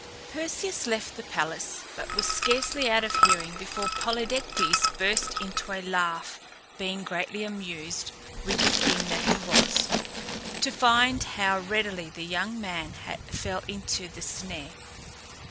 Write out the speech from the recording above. Perseus left the palace, but was scarcely out of hearing before Polydectes burst into a laugh, being greatly amused, wicked king that he was, to find how readily the young man fell into the snare.